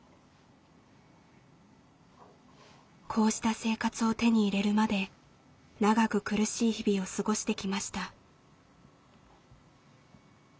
こうした生活を手に入れるまで長く苦しい日々を過ごしてきました。